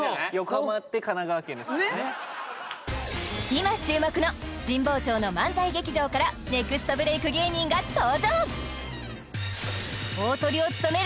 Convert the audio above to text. ねっ今注目の神保町の漫才劇場からネクストブレイク芸人が登場